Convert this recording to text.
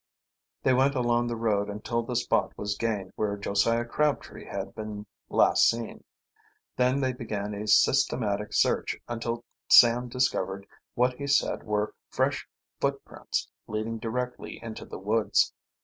They went along the road until the spot was gained where Josiah Crabtree had been last seen. Then they began a systematic search until Sam discovered what he said were fresh footprints leading directly into the woods.